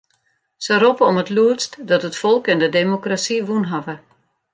Se roppe om it lûdst dat it folk en de demokrasy wûn hawwe.